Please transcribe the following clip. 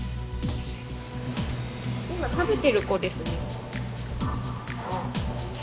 今食べてる子ですね